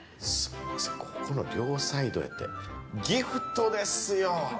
ここの両サイドやってギフトですよ。